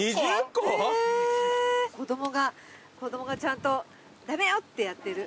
子供が子供がちゃんと駄目よってやってる。